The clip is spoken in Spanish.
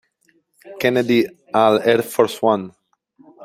Kennedy al Air Force One.